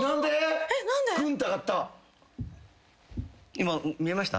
今見えました？